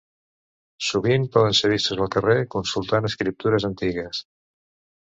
Sovint poden ser vistos al carrer consultant escriptures antigues.